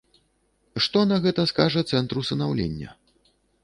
Што на гэта скажа цэнтр усынаўлення?